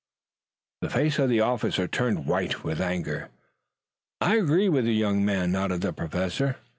The face of the officer turned white with anger. "I agree with the young man," nodded the Professor.